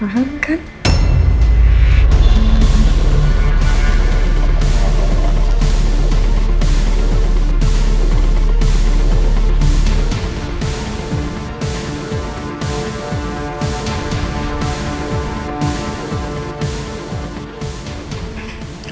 kamu sudah sudah menanggung saya